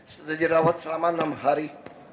sudah dirawat selama enam hari